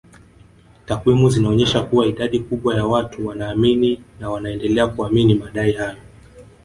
Takwimu zinaonyesha kuwa idadi kubwa ya watu wanaamini na wanaendelea kuamini madai hayo